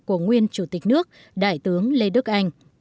của nguyên chủ tịch nước đại tướng lê đức anh